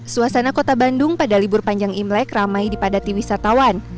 suasana kota bandung pada libur panjang imlek ramai dipadati wisatawan